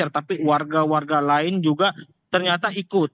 tapi warga warga lain juga ternyata ikut